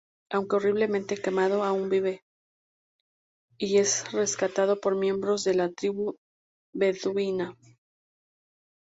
Aunque horriblemente quemado, aún vive, y es rescatado por miembros de la tribu beduina.